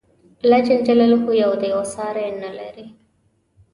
الله ج یو دی او ساری نه لري.